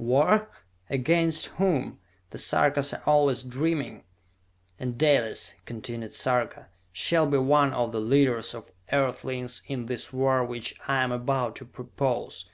"War? Against whom? The Sarkas are always dreaming!" "And Dalis," continued Sarka, "shall be one of the leaders of Earthlings in this war which I am about to propose!